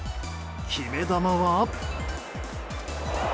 決め球は。